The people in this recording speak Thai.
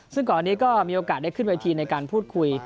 ซึ่งก่อนอันนี้ก็มีโอกาสได้ขึ้นเวทีในการพูดคุย